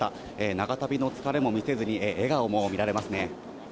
長旅の疲れも見せずに、笑顔も見られますね。